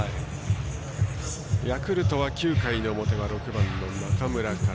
ヤクルトは９回の表は６番の中村から。